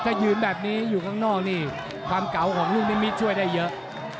ถ้ายืนแบบนี้อยู่ข้างนอกนี่ความเก่าของลูกนิมิตช่วยได้เยอะ